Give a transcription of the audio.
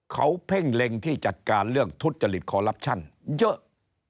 เขาเพ่งเล็งที่จัดการเรื่องทุจริตคอลลับชั่นเยอะ